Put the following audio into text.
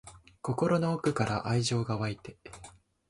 心の奥から愛情が湧いて